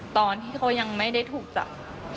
ตอนที่เขายังไม่ได้ถูกจับ